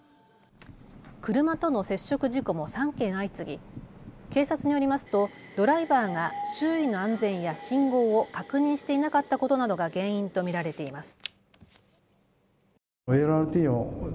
車との接触事故も３件相次ぎ警察によりますとドライバーが周囲の安全や信号を確認していなかったことなどが原因と見られています。